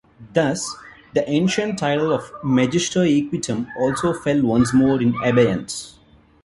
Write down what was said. Thus, the ancient title of magister equitum also fell once more into abeyance.